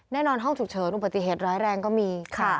แน่นอนห้องฉุกเฉินอุบัติเหตุร้ายแรงก็มี